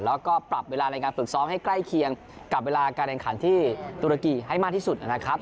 แล้วก็ปรับเวลาในการฝึกซ้อมให้ใกล้เคียงกับเวลาการแข่งขันที่ตุรกีให้มากที่สุดนะครับ